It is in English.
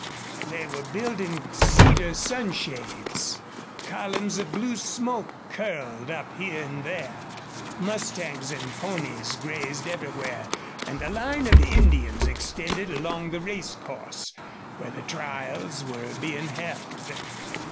They were building cedar sunshades. Columns of blue smoke curled up here and there. Mustangs and ponies grazed everywhere, and a line of Indians extended along the racecourse, where trials were being held.